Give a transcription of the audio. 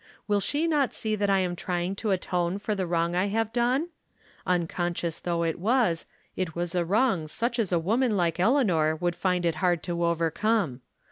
" Will she not see that I am trying to atone for the wrong I have done ? Unconscious though it was, it was a wrong such as a woman like Elea nor would find it hard to overcome.